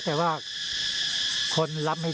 แต่ว่าคนรับไม่ได้นะ